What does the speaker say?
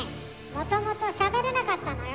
もともとしゃべれなかったのよ。